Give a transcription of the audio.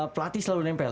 pelatih selalu nempel